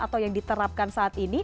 atau yang diterapkan saat ini